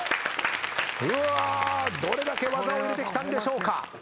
うわどれだけ技を入れてきたんでしょうか。